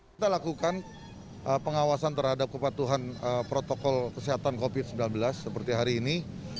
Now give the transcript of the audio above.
kita lakukan pengawasan terhadap kepatuhan protokol kesehatan covid sembilan belas seperti hari ini